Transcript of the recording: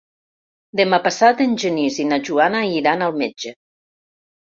Demà passat en Genís i na Joana iran al metge.